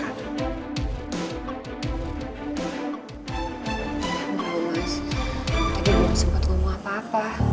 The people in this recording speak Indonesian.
maksud mas kamu tadi belum sempat ngomong apa apa